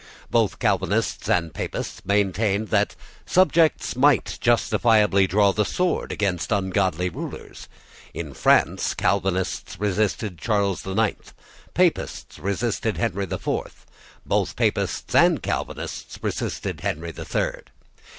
Both Calvinists and Papists maintained that subjects might justifiably draw the sword against ungodly rulers. In France Calvinists resisted Charles the Ninth: Papists resisted Henry the Fourth: both Papists and Calvinists resisted Henry the Third.